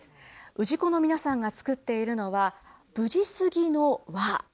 氏子の皆さんが作っているのは、無事すぎの輪。